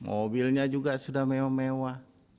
mobilnya juga sudah mewah mewah